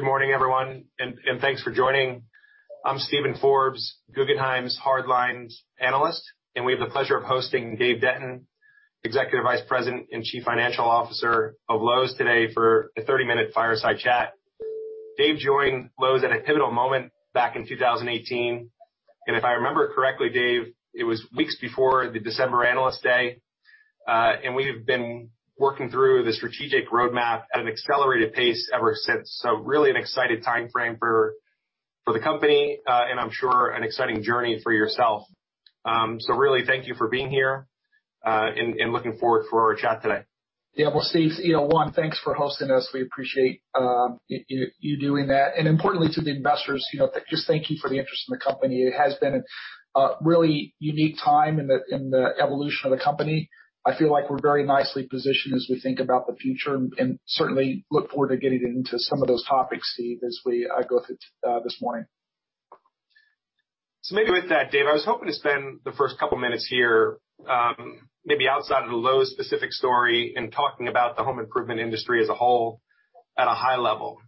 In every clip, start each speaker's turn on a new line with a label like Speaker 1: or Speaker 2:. Speaker 1: Good morning, everyone, and thanks for joining. I'm Steven Forbes, Guggenheim's Hardlines Analyst, and we have the pleasure of hosting Dave Denton, Executive Vice President and Chief Financial Officer of Lowe's today for a 30-minute Fireside Chat. Dave joined Lowe's at a pivotal moment back in 2018. If I remember correctly, Dave, it was weeks before the December Analyst Day. We've been working through the strategic roadmap at an accelerated pace ever since. Really an exciting timeframe for the company, and I'm sure an exciting journey for yourself. Really, thank you for being here, and looking forward for our chat today.
Speaker 2: Yeah. Well, Steve, one, thanks for hosting us. We appreciate you doing that. Importantly to the investors, just thank you for the interest in the company. It has been a really unique time in the evolution of the company. I feel like we're very nicely positioned as we think about the future, and certainly look forward to getting into some of those topics, Steve, as we go through this morning.
Speaker 1: Maybe with that, Dave, I was hoping to spend the first couple minutes here, maybe outside of the Lowe's specific story, in talking about the home improvement industry as a whole at a high level.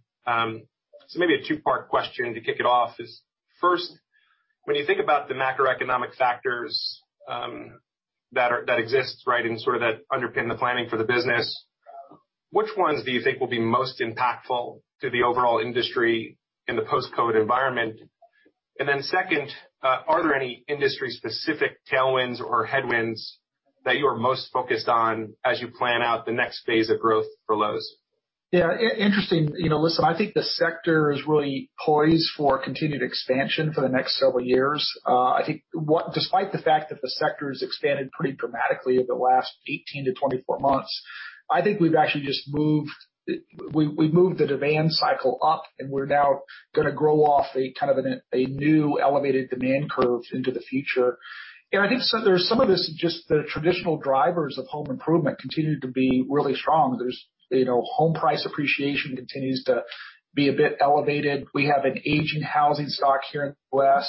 Speaker 1: Maybe a two-part question to kick it off is, first, when you think about the macroeconomic factors that exist and sort of that underpin the planning for the business, which ones do you think will be most impactful to the overall industry in the post-COVID environment? Then second, are there any industry specific tailwinds or headwinds that you are most focused on as you plan out the next phase of growth for Lowe's?
Speaker 2: Yeah, interesting. Listen, I think the sector is really poised for continued expansion for the next several years. I think despite the fact that the sector has expanded pretty dramatically over the last 18-24 months, I think we've actually just moved the demand cycle up. We're now going to grow off a new elevated demand curve into the future. I think some of this is just the traditional drivers of home improvement continue to be really strong. Home price appreciation continues to be a bit elevated. We have an aging housing stock here in the U.S.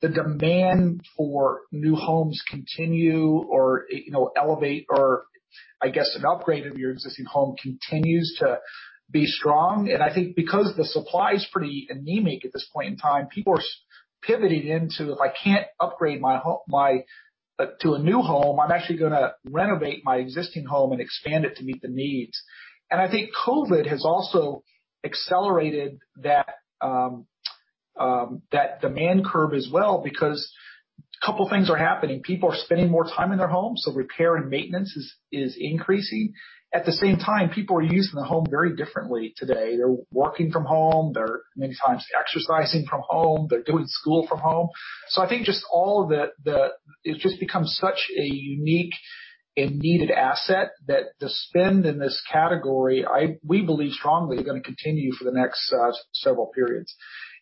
Speaker 2: The demand for new homes continue or elevate or, I guess, an upgrade of your existing home continues to be strong. I think because the supply is pretty anemic at this point in time, people are pivoting into, if I can't upgrade to a new home, I'm actually going to renovate my existing home and expand it to meet the needs. I think COVID has also accelerated that demand curve as well because a couple of things are happening. People are spending more time in their homes, so repair and maintenance is increasing. At the same time, people are using the home very differently today. They're working from home. They're many times exercising from home. They're doing school from home. I think it just becomes such a unique and needed asset that the spend in this category, we believe strongly, is going to continue for the next several periods.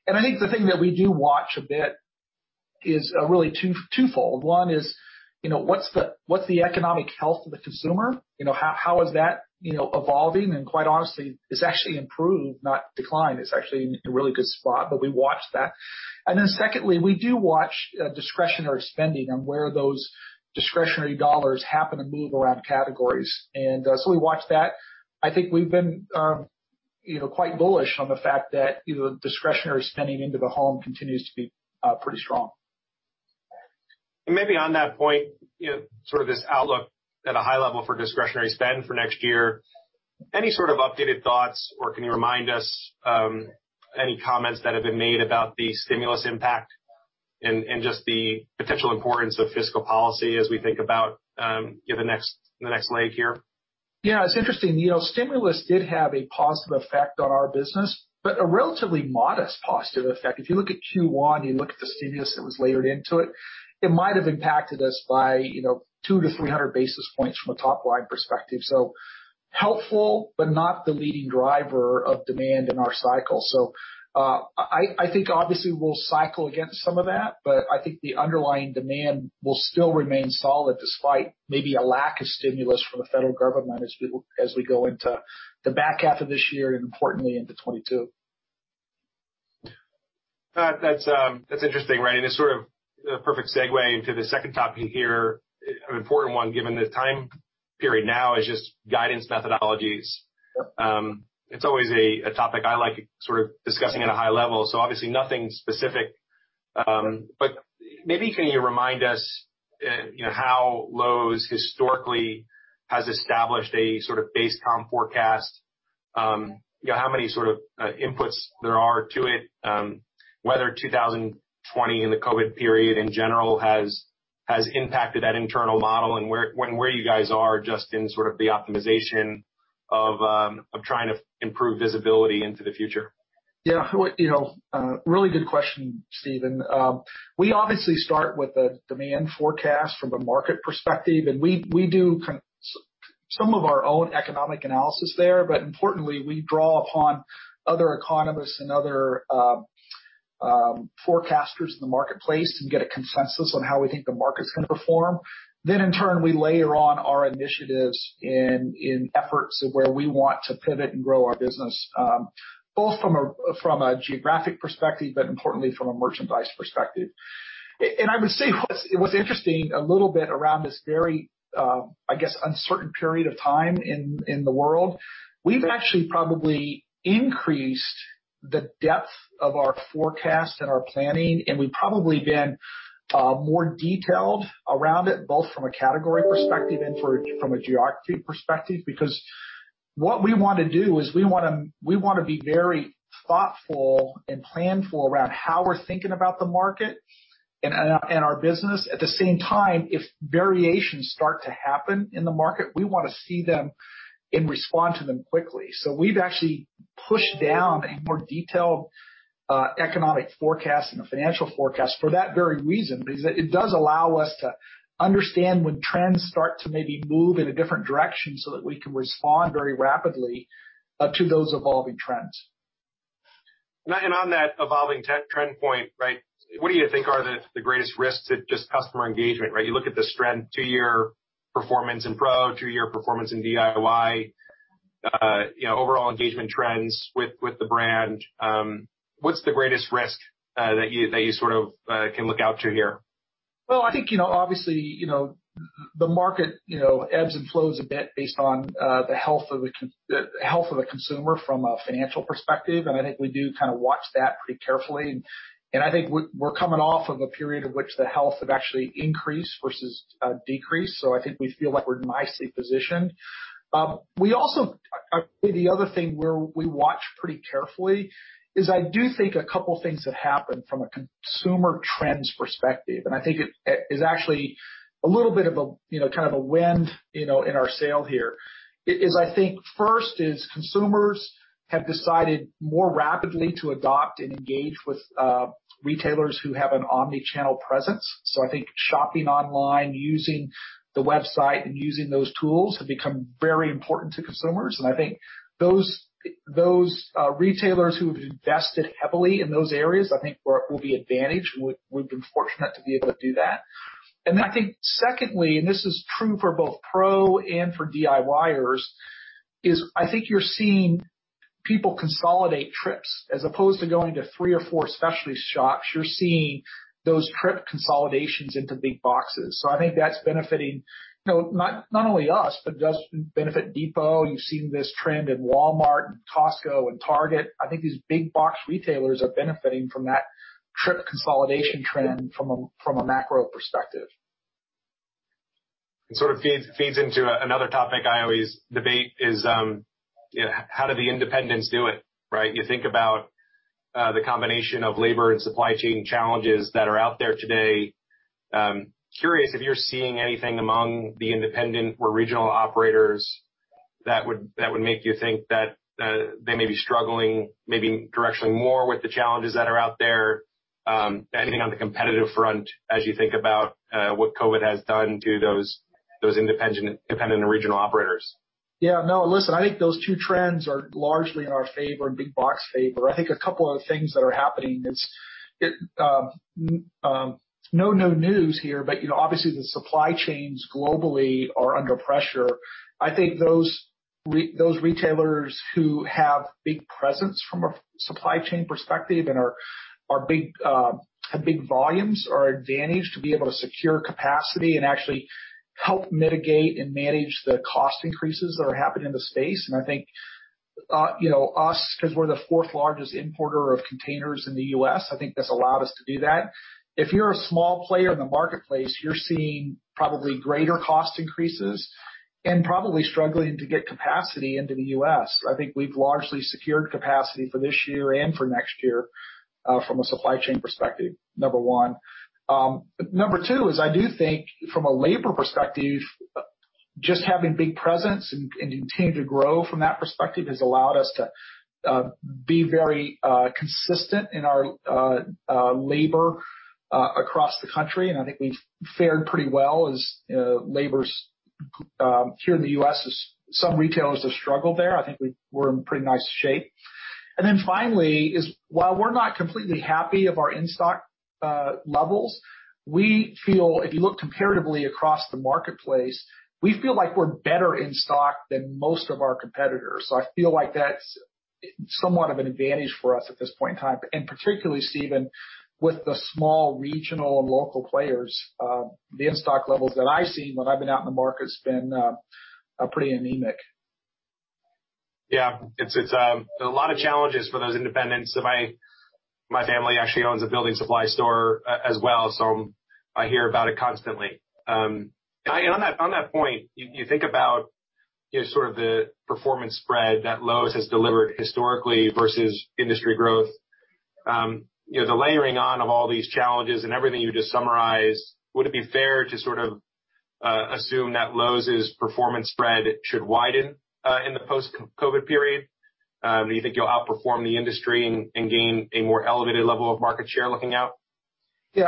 Speaker 2: I think the thing that we do watch a bit is really twofold. One is, what's the economic health of the consumer? How is that evolving? Quite honestly, it's actually improved, not declined. It's actually in a really good spot. We watch that. Then secondly, we do watch discretionary spending and where those discretionary dollars happen to move around categories. So we watch that. I think we've been quite bullish on the fact that discretionary spending into the home continues to be pretty strong.
Speaker 1: Maybe on that point, sort of this outlook at a high level for discretionary spend for next year, any sort of updated thoughts or can you remind us any comments that have been made about the stimulus impact and just the potential importance of fiscal policy as we think about the next leg here?
Speaker 2: Yeah, it's interesting. Stimulus did have a positive effect on our business, but a relatively modest positive effect. If you look at Q1, you look at the stimulus that was layered into it might have impacted us by 200-300 basis points from a top-line perspective. Helpful, but not the leading driver of demand in our cycle. I think obviously we'll cycle against some of that, but I think the underlying demand will still remain solid despite maybe a lack of stimulus from the federal government as we go into the back half of this year and importantly into 2022.
Speaker 1: That's interesting. It's sort of the perfect segue into the second topic here, an important one given the time period now is just guidance methodologies.
Speaker 2: Yep.
Speaker 1: It's always a topic I like sort of discussing at a high level. Obviously nothing specific, but maybe can you remind us how Lowe's historically has established a sort of base comp forecast? How many sort of inputs there are to it? Whether 2020 and the COVID period in general has impacted that internal model and where you guys are just in sort of the optimization of trying to improve visibility into the future.
Speaker 2: Yeah. Really good question, Steven. We obviously start with a demand forecast from a market perspective, and we do some of our own economic analysis there. Importantly, we draw upon other economists and other forecasters in the marketplace and get a consensus on how we think the market's going to perform. In turn, we layer on our initiatives in efforts of where we want to pivot and grow our business, both from a geographic perspective, but importantly from a merchandise perspective. I would say what's interesting a little bit around this very, I guess, uncertain period of time in the world, we've actually probably increased the depth of our forecast and our planning, and we've probably been more detailed around it, both from a category perspective and from a geography perspective. What we want to do is we want to be very thoughtful and planful around how we're thinking about the market and our business. At the same time, if variations start to happen in the market, we want to see them and respond to them quickly. We've actually pushed down a more detailed economic forecast and a financial forecast for that very reason, because it does allow us to understand when trends start to maybe move in a different direction so that we can respond very rapidly to those evolving trends.
Speaker 1: On that evolving trend point. What do you think are the greatest risks to just customer engagement? You look at this trend, two-year performance in Pro, two-year performance in DIY, overall engagement trends with the brand. What's the greatest risk that you sort of can look out to here?
Speaker 2: Well, I think, obviously, the market ebbs and flows a bit based on the health of the consumer from a financial perspective, and I think we do kind of watch that pretty carefully. I think we're coming off of a period of which the health have actually increased versus decreased. I think we feel like we're nicely positioned. Maybe other thing where we watch pretty carefully is I do think a couple of things have happened from a consumer trends perspective, and I think it is actually a little bit of a kind of a wind in our sail here, is, I think first is consumers have decided more rapidly to adopt and engage with retailers who have an omnichannel presence. I think shopping online, using the website and using those tools have become very important to consumers. I think those retailers who have invested heavily in those areas, I think will be advantaged. We've been fortunate to be able to do that. Then I think secondly, and this is true for both Pro and for DIYers, is I think you're seeing people consolidate trips. As opposed to going to three or four specialty shops, you're seeing those trip consolidations into big boxes. I think that's benefiting not only us, but does benefit Depot. You've seen this trend in Walmart, Costco, and Target. I think these big box retailers are benefiting from that trip consolidation trend from a macro perspective.
Speaker 1: It sort of feeds into another topic I always debate is, how do the independents do it? You think about the combination of labor and supply chain challenges that are out there today. Curious if you're seeing anything among the independent or regional operators that would make you think that they may be struggling, maybe directionally more with the challenges that are out there. Anything on the competitive front as you think about what COVID has done to those independent and regional operators?
Speaker 2: Listen, I think those two trends are largely in our favor and big box favor. I think a couple of things that are happening, it's no news here, but obviously the supply chains globally are under pressure. I think those retailers who have big presence from a supply chain perspective and have big volumes are advantaged to be able to secure capacity and actually help mitigate and manage the cost increases that are happening in the space. I think us, because we're the fourth largest importer of containers in the U.S., I think that's allowed us to do that. If you're a small player in the marketplace, you're seeing probably greater cost increases and probably struggling to get capacity into the U.S. I think we've largely secured capacity for this year and for next year, from a supply chain perspective, number one. Number two is I do think from a labor perspective, just having big presence and continuing to grow from that perspective has allowed us to be very consistent in our labor across the country. I think we've fared pretty well as labors here in the U.S. as some retailers have struggled there. I think we're in pretty nice shape. Finally is while we're not completely happy of our in-stock levels, we feel if you look comparatively across the marketplace, we feel like we're better in stock than most of our competitors. I feel like that's somewhat of an advantage for us at this point in time, and particularly, Steven, with the small regional and local players. The in-stock levels that I've seen when I've been out in the market's been pretty anemic.
Speaker 1: Yeah. It's a lot of challenges for those independents. My family actually owns a building supply store as well. I hear about it constantly. On that point, you think about sort of the performance spread that Lowe's has delivered historically versus industry growth. The layering on of all these challenges and everything you just summarized, would it be fair to sort of assume that Lowe's performance spread should widen in the post-COVID period? Do you think you'll outperform the industry and gain a more elevated level of market share looking out?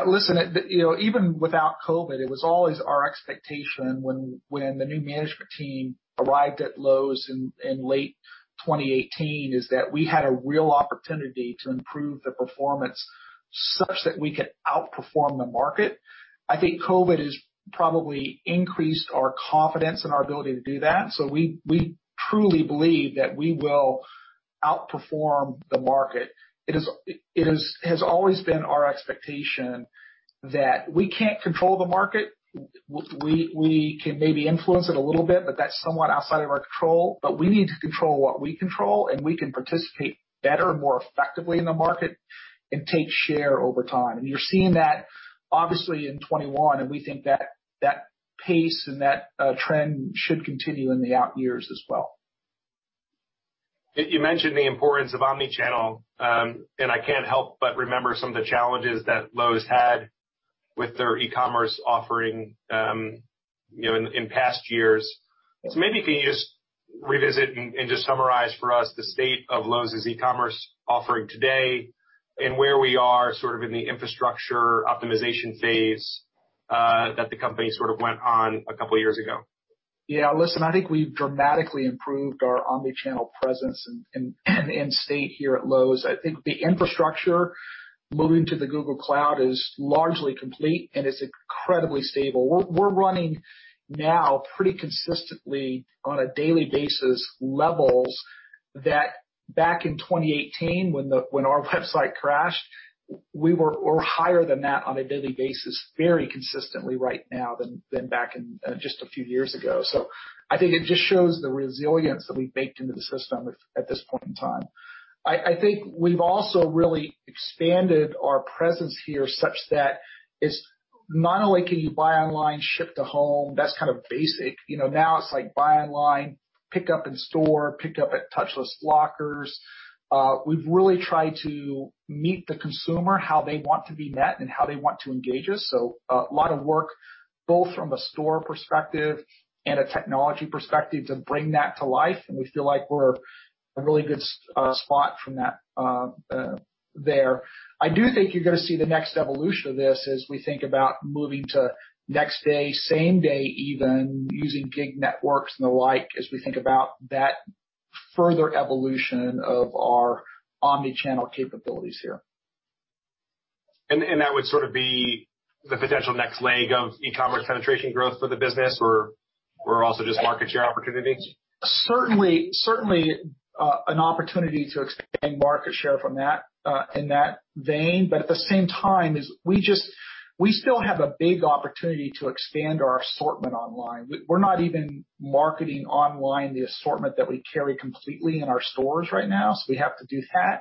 Speaker 2: Listen, even without COVID, it was always our expectation when the new management team arrived at Lowe's in late 2018, is that we had a real opportunity to improve the performance such that we could outperform the market. I think COVID has probably increased our confidence and our ability to do that, so we truly believe that we will outperform the market. It has always been our expectation that we can't control the market. We can maybe influence it a little bit, but that's somewhat outside of our control. We need to control what we control, and we can participate better and more effectively in the market and take share over time. You're seeing that obviously in 2021, and we think that pace and that trend should continue in the out years as well.
Speaker 1: You mentioned the importance of omnichannel, and I can't help but remember some of the challenges that Lowe's had with their e-commerce offering in past years. Maybe if you could just revisit and just summarize for us the state of Lowe's e-commerce offering today and where we are sort of in the infrastructure optimization phase that the company sort of went on a couple of years ago.
Speaker 2: Yeah. Listen, I think we've dramatically improved our omnichannel presence and state here at Lowe's. I think the infrastructure moving to the Google Cloud is largely complete, and it's incredibly stable. We're running now pretty consistently on a daily basis levels that back in 2018 when our website crashed, or higher than that on a daily basis, very consistently right now than back in just a few years ago. I think it just shows the resilience that we baked into the system at this point in time. I think we've also really expanded our presence here such that it's not only can you buy online, ship to home, that's kind of basic. Now it's like buy online, pick up in store, pick up at touchless lockers. We've really tried to meet the consumer, how they want to be met, and how they want to engage us. A lot of work, both from a store perspective and a technology perspective, to bring that to life. We feel like we're in a really good spot from that there. I do think you're going to see the next evolution of this as we think about moving to next day, same day, even using gig networks and the like, as we think about that further evolution of our omnichannel capabilities here.
Speaker 1: That would sort of be the potential next leg of e-commerce penetration growth for the business, or also just market share opportunities?
Speaker 2: Certainly, an opportunity to expand market share in that vein. At the same time, we still have a big opportunity to expand our assortment online. We're not even marketing online the assortment that we carry completely in our stores right now. We have to do that.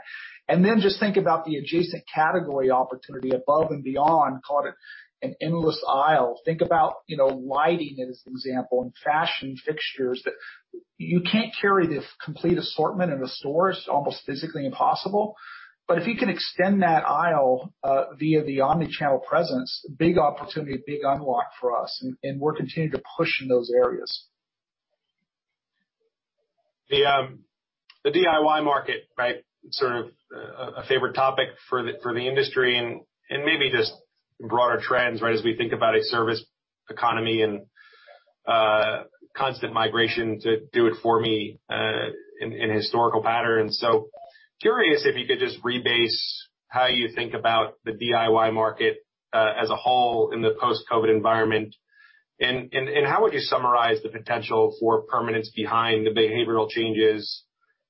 Speaker 2: Then just think about the adjacent category opportunity above and beyond, call it an endless aisle. Think about lighting, as an example, and fashion fixtures that you can't carry this complete assortment in a store. It's almost physically impossible. If you can extend that aisle via the omnichannel presence, big opportunity, big unlock for us, and we're continuing to push in those areas.
Speaker 1: The DIY market, right? Sort of a favorite topic for the industry and maybe just broader trends, right? As we think about a service economy and constant migration to do it for me in historical patterns. Curious if you could just rebase how you think about the DIY market as a whole in the post-COVID environment, and how would you summarize the potential for permanence behind the behavioral changes,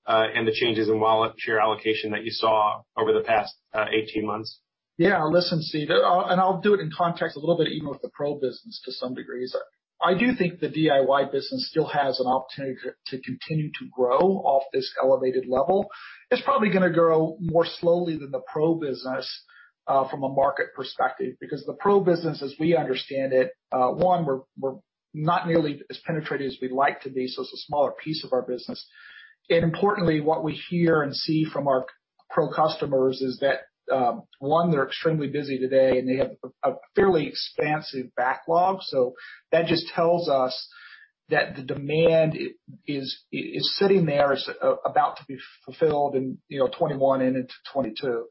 Speaker 1: and the changes in wallet share allocation that you saw over the past 18 months?
Speaker 2: Listen, Steven, I'll do it in context a little bit, even with the Pro business to some degree. I do think the DIY business still has an opportunity to continue to grow off this elevated level. It's probably going to grow more slowly than the Pro business from a market perspective, because the Pro business, as we understand it, one, we're not nearly as penetrated as we'd like to be. It's a smaller piece of our business. Importantly, what we hear and see from our Pro customers is that, one, they're extremely busy today, and they have a fairly expansive backlog. That just tells us that the demand is sitting there, is about to be fulfilled in 2021 and into 2022.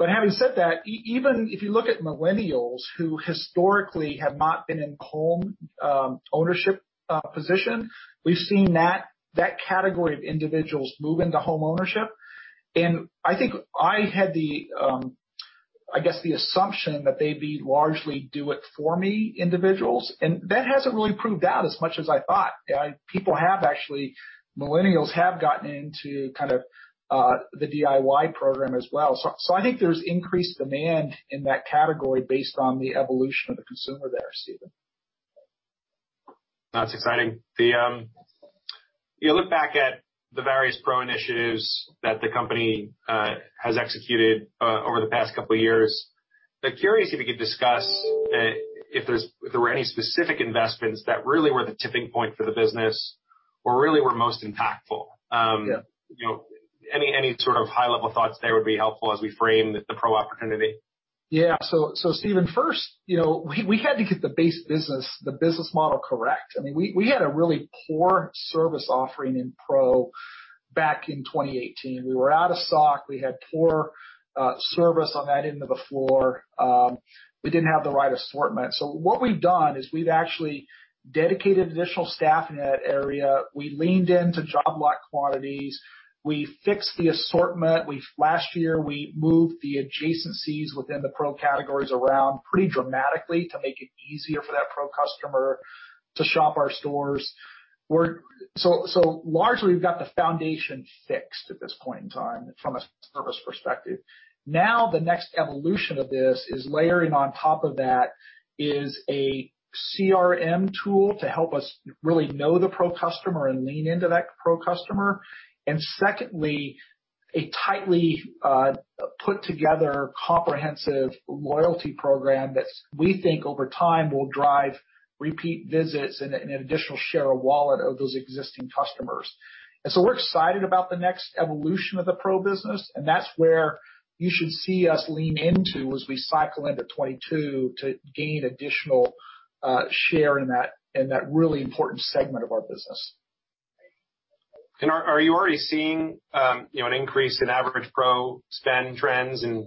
Speaker 2: Having said that, even if you look at millennials who historically have not been in home ownership position, we've seen that category of individuals move into home ownership. I think I had the assumption that they'd be largely do it for me individuals, and that hasn't really proved out as much as I thought. Millennials have gotten into kind of the DIY program as well. I think there's increased demand in that category based on the evolution of the consumer there, Steven.
Speaker 1: That's exciting. You look back at the various Pro initiatives that the company has executed over the past couple of years. Curious if you could discuss if there were any specific investments that really were the tipping point for the business or really were most impactful.
Speaker 2: Yeah.
Speaker 1: Any sort of high-level thoughts there would be helpful as we frame the Pro opportunity.
Speaker 2: Steven, first, we had to get the base business, the business model correct. I mean, we had a really poor service offering in Pro back in 2018. We were out of stock. We had poor service on that end of the floor. We didn't have the right assortment. What we've done is we've actually dedicated additional staff in that area. We leaned into job lot quantities. We fixed the assortment. Last year, we moved the adjacencies within the Pro categories around pretty dramatically to make it easier for that Pro customer to shop our stores. Largely, we've got the foundation fixed at this point in time from a service perspective. Now, the next evolution of this is layering on top of that is a CRM tool to help us really know the Pro customer and lean into that Pro customer, and secondly, a tightly put together comprehensive loyalty program that we think over time will drive repeat visits and an additional share of wallet of those existing customers. We're excited about the next evolution of the Pro business, and that's where you should see us lean into as we cycle into 2022 to gain additional share in that really important segment of our business.
Speaker 1: Are you already seeing an increase in average Pro spend trends and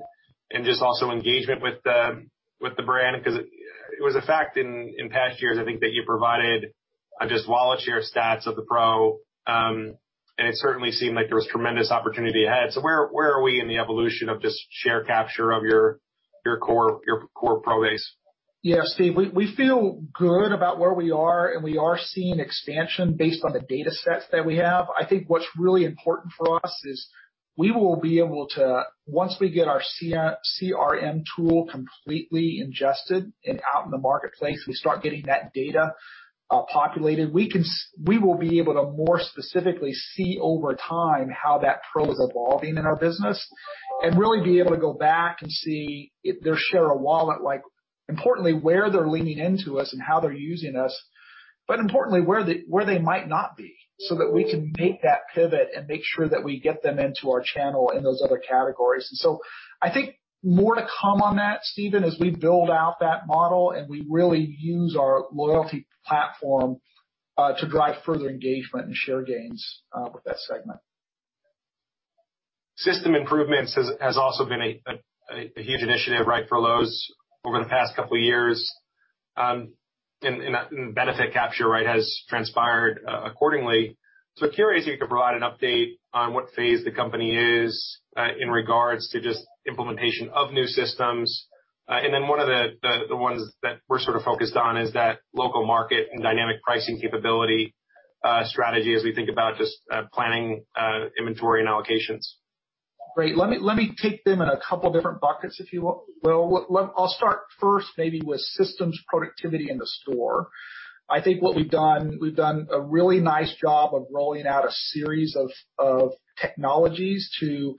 Speaker 1: just also engagement with the brand? It was a fact in past years, I think that you provided just wallet share stats of the Pro, and it certainly seemed like there was tremendous opportunity ahead. Where are we in the evolution of just share capture of your core Pro base?
Speaker 2: Yeah, Steve, we feel good about where we are, and we are seeing expansion based on the data sets that we have. I think what's really important for us is we will be able to, once we get our CRM tool completely ingested and out in the marketplace, we start getting that data populated, we will be able to more specifically see over time how that Pro is evolving in our business. Really be able to go back and see their share of wallet, importantly, where they're leaning into us and how they're using us, but importantly, where they might not be, so that we can make that pivot and make sure that we get them into our channel in those other categories. I think more to come on that, Steven, as we build out that model and we really use our loyalty platform to drive further engagement and share gains with that segment.
Speaker 1: System improvements has also been a huge initiative for Lowe's over the past couple years. That benefit capture has transpired accordingly. Curious if you could provide an update on what phase the company is in regards to just implementation of new systems. Then one of the ones that we're sort of focused on is that local market and dynamic pricing capability strategy as we think about just planning inventory and allocations.
Speaker 2: Great. Let me take them in a couple different buckets, if you will. I'll start first maybe with systems productivity in the store. I think what we've done, we've done a really nice job of rolling out a series of technologies to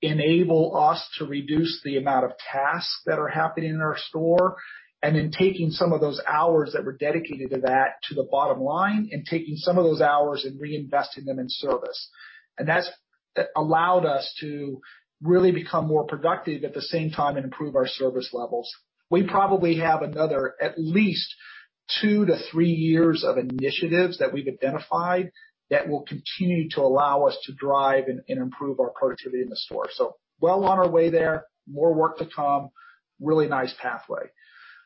Speaker 2: enable us to reduce the amount of tasks that are happening in our store, and then taking some of those hours that were dedicated to that, to the bottom line, and taking some of those hours and reinvesting them in service. That's allowed us to really become more productive at the same time and improve our service levels. We probably have another at least two to three years of initiatives that we've identified that will continue to allow us to drive and improve our productivity in the store. Well on our way there, more work to come, really nice pathway.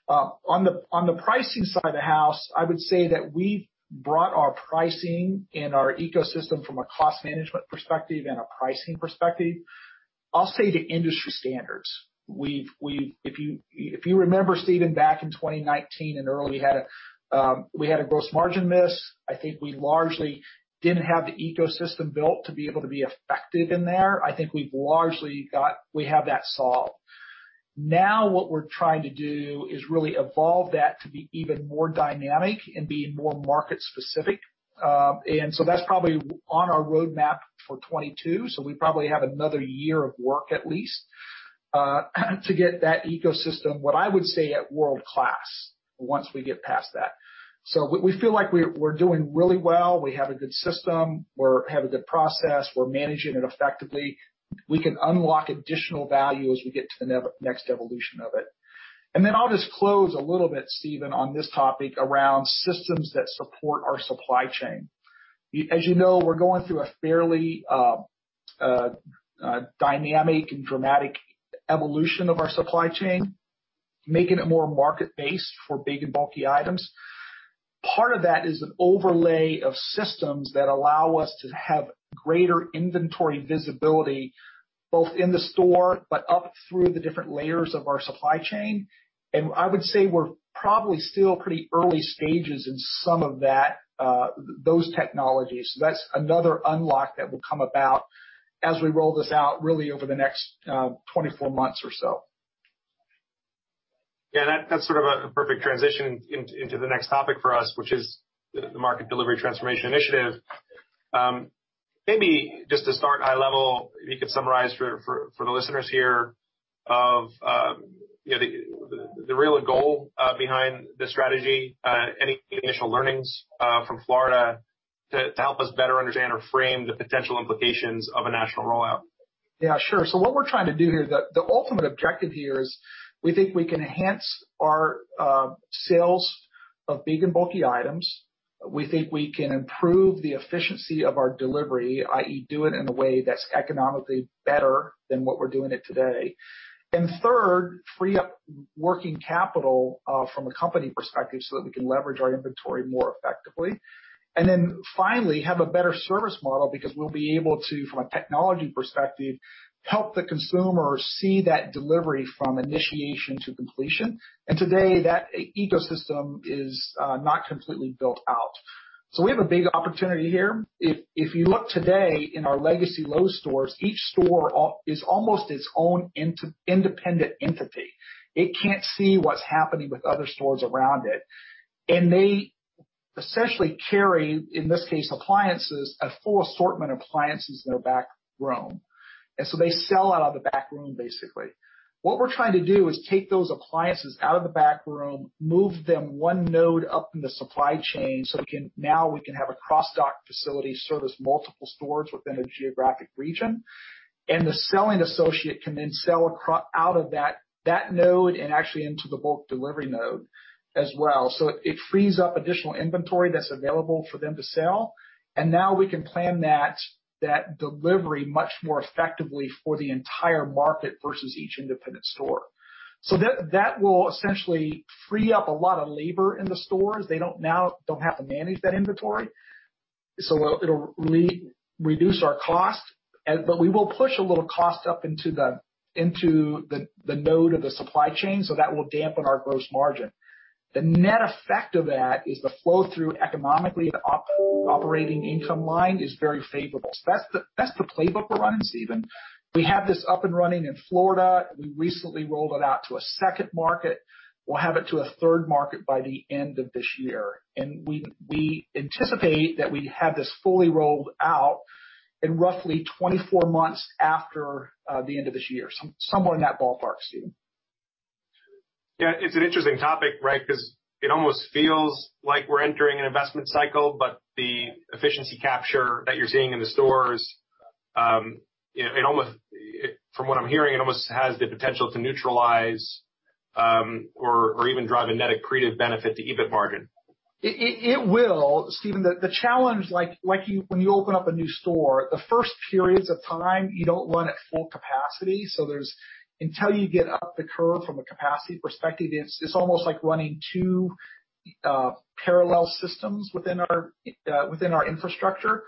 Speaker 2: On the pricing side of the house, I would say that we've brought our pricing and our ecosystem from a cost management perspective and a pricing perspective, I'll say to industry standards. If you remember, Steven, back in 2019 and early, we had a gross margin miss. I think we largely didn't have the ecosystem built to be able to be effective in there. I think we've largely we have that solved. What we're trying to do is really evolve that to be even more dynamic and be more market specific. That's probably on our roadmap for 2022. We probably have another year of work, at least, to get that ecosystem, what I would say at world-class, once we get past that. We feel like we're doing really well. We have a good system. We have a good process. We're managing it effectively. We can unlock additional value as we get to the next evolution of it. Then I'll just close a little bit, Steven, on this topic around systems that support our supply chain. As you know, we're going through a fairly dynamic and dramatic evolution of our supply chain, making it more market-based for big and bulky items. Part of that is an overlay of systems that allow us to have greater inventory visibility both in the store, but up through the different layers of our supply chain. I would say we're probably still pretty early stages in some of those technologies. That's another unlock that will come about as we roll this out really over the next 24 months or so.
Speaker 1: Yeah, that's sort of a perfect transition into the next topic for us, which is the Market Delivery Transformation Initiative. Maybe just to start high level, if you could summarize for the listeners here of the real goal behind the strategy, any initial learnings from Florida to help us better understand or frame the potential implications of a national rollout.
Speaker 2: Yeah, sure. What we're trying to do here, the ultimate objective here is we think we can enhance our sales of big and bulky items. We think we can improve the efficiency of our delivery, i.e., do it in a way that's economically better than what we're doing it today. Third, free up working capital from a company perspective so that we can leverage our inventory more effectively. Finally, have a better service model because we'll be able to, from a technology perspective, help the consumer see that delivery from initiation to completion. Today, that ecosystem is not completely built out. We have a big opportunity here. If you look today in our legacy Lowe's stores, each store is almost its own independent entity. It can't see what's happening with other stores around it. Essentially carrying, in this case, appliances, a full assortment of appliances in their back room. They sell out of the back room, basically. What we're trying to do is take those appliances out of the back room, move them one node up in the supply chain, so now we can have a cross-dock facility service multiple stores within a geographic region. The selling associate can then sell out of that node and actually into the bulk delivery node as well. It frees up additional inventory that's available for them to sell. Now we can plan that delivery much more effectively for the entire market versus each independent store. That will essentially free up a lot of labor in the stores. They now don't have to manage that inventory. It'll reduce our cost, but we will push a little cost up into the node of the supply chain, so that will dampen our gross margin. The net effect of that is the flow through economically, the operating income line is very favorable. That's the playbook we're running, Steven. We have this up and running in Florida. We recently rolled it out to a second market. We'll have it to a third market by the end of this year. We anticipate that we have this fully rolled out in roughly 24 months after the end of this year. Somewhere in that ballpark, Steven.
Speaker 1: Yeah. It's an interesting topic, right? It almost feels like we're entering an investment cycle, but the efficiency capture that you're seeing in the stores, from what I'm hearing, it almost has the potential to neutralize or even drive a net accretive benefit to EBIT margin.
Speaker 2: It will, Steven. The challenge, when you open up a new store, the first periods of time, you don't run at full capacity. Until you get up the curve from a capacity perspective, it's almost like running two parallel systems within our infrastructure.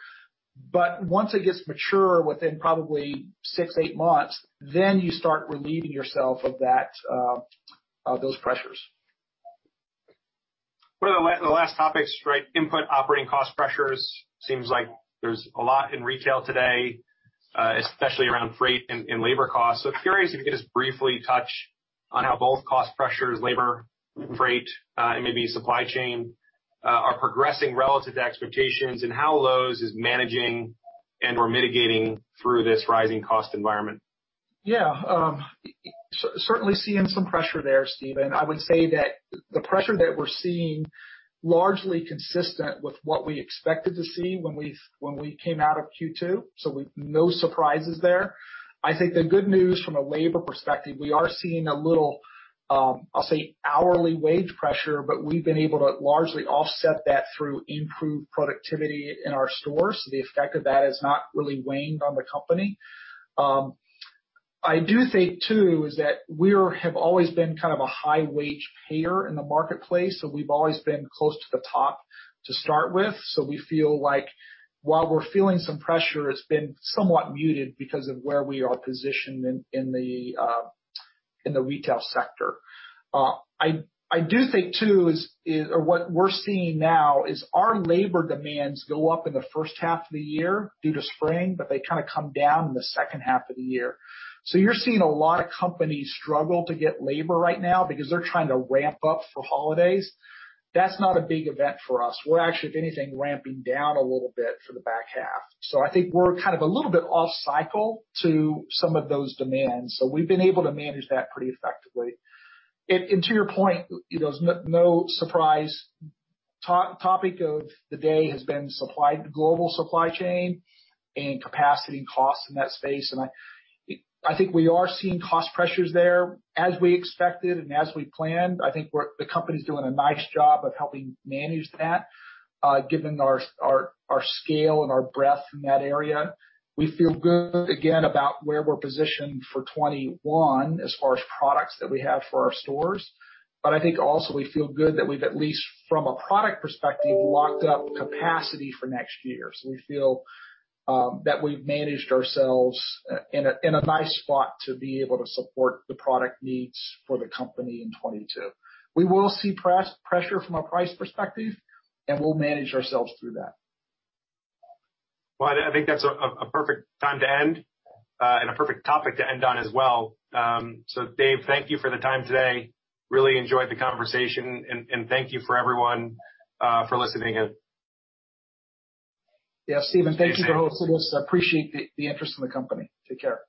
Speaker 2: Once it gets mature within probably six, eight months, you start relieving yourself of those pressures.
Speaker 1: One of the last topics, input operating cost pressures, seems like there's a lot in retail today, especially around freight and labor costs. Curious if you could just briefly touch on how both cost pressures, labor, freight, and maybe supply chain, are progressing relative to expectations and how Lowe's is managing and/or mitigating through this rising cost environment.
Speaker 2: Yeah. Certainly seeing some pressure there, Steven. I would say that the pressure that we're seeing largely consistent with what we expected to see when we came out of Q2. No surprises there. I think the good news from a labor perspective, we are seeing a little, I'll say, hourly wage pressure. We've been able to largely offset that through improved productivity in our stores. The effect of that has not really waned on the company. I do think, too, is that we have always been kind of a high wage payer in the marketplace. We've always been close to the top to start with. We feel like while we're feeling some pressure, it's been somewhat muted because of where we are positioned in the retail sector. I do think, too, what we're seeing now is our labor demands go up in the first half of the year due to spring, but they kind of come down in the second half of the year. You're seeing a lot of companies struggle to get labor right now because they're trying to ramp up for holidays. That's not a big event for us. We're actually, if anything, ramping down a little bit for the back half. I think we're kind of a little bit off cycle to some of those demands. We've been able to manage that pretty effectively. To your point, no surprise, topic of the day has been global supply chain and capacity and cost in that space. I think we are seeing cost pressures there as we expected and as we planned. I think the company's doing a nice job of helping manage that given our scale and our breadth in that area. We feel good again about where we're positioned for 2021 as far as products that we have for our stores. I think also we feel good that we've at least from a product perspective, locked up capacity for next year. We feel that we've managed ourselves in a nice spot to be able to support the product needs for the company in 2022. We will see pressure from a price perspective, and we'll manage ourselves through that.
Speaker 1: Well, I think that's a perfect time to end and a perfect topic to end on as well. Dave, thank you for the time today. Really enjoyed the conversation, and thank you for everyone for listening in.
Speaker 2: Yeah, Steven, thank you for hosting us. I appreciate the interest in the company. Take care.